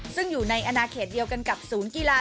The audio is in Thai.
ซึ่งอยู่ในอนาเขตเดียวกันกับศูนย์กีฬา